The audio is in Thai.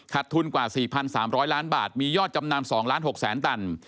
ทุนกว่า๔๓๐๐ล้านบาทมียอดจำนำ๒๖๐๐๐ตัน